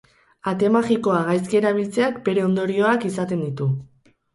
Ate magikoa gaizki erabiltzeak bere ondorioak izaten ditu.